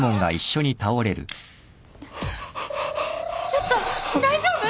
ちょっと大丈夫？